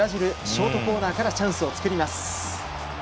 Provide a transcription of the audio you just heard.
ショートコーナーからチャンスを作ります。